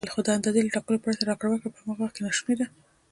خو د اندازې له ټاکلو پرته راکړه ورکړه په هغه وخت کې ناشونې وه.